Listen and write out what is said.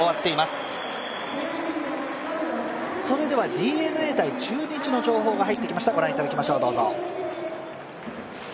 ＤｅＮＡ×中日の情報が入ってきました。